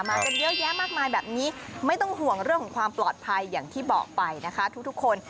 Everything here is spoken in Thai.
กันเยอะแยะมากมายแบบนี้ไม่ต้องห่วงเรื่องของความปลอดภัยอย่างที่บอกไปนะคะทุกคน